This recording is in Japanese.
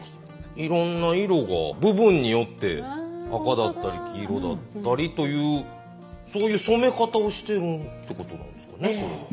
いろんな色が部分によって赤だったり黄色だったりというそういう染め方をしてるってことなんですかね？